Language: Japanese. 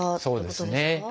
そうですね。